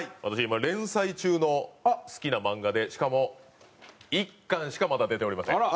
私今連載中の好きな漫画でしかも１巻しかまだ出ておりません。